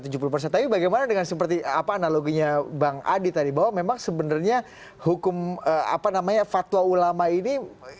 tapi bagaimana dengan seperti apa analoginya bang adi tadi bahwa memang sebenarnya hukum apa namanya fatwa ulama ini